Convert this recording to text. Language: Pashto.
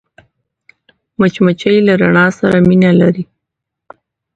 مچمچۍ له رڼا سره مینه لري